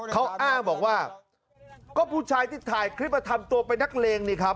เขาอ้างบอกว่าก็ผู้ชายที่ถ่ายคลิปมาทำตัวเป็นนักเลงนี่ครับ